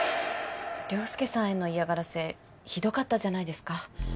凌介さんへの嫌がらせひどかったじゃないですか。